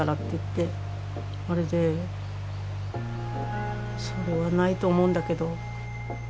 それはないと思うんだけど。